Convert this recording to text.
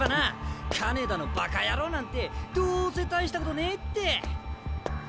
金田のバカ野郎なんてどうせ大したことねえって！